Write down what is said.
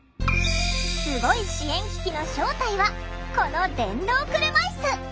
スゴい支援機器の正体はこの電動車いす。